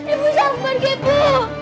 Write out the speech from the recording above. ibu jangan pergi bu